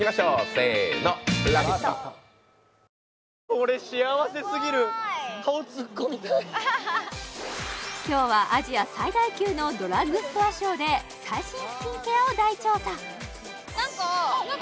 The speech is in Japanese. これ幸せすぎる今日はアジア最大級のドラッグストアショーで最新スキンケアを大調査